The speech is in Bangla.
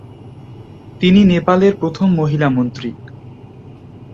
তিনি নেপালের প্রথম মহিলা মন্ত্রী।